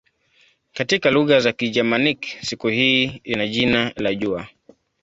Katika lugha za Kigermanik siku hii ina jina la "jua".